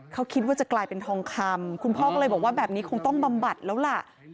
เขาคิดว่าจะกลายเป็นทองคำคุณพ่อก็เลยบอกว่าแบบนี้คงต้องบำบัดแล้วล่ะ